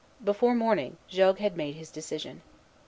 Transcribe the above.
Before morning, Jogues had made his decision.